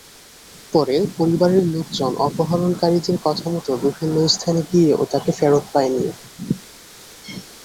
পরে পরিবারের লোকজন অপহরণকারীদের কথামতো বিভিন্ন স্থানে গিয়েও তাকে ফেরত পায়নি।